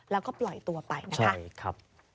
แล้วก็ปล่อยตัวไปนะคะ